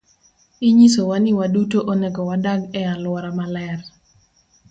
Inyisowa ni waduto onego wadag e alwora maler.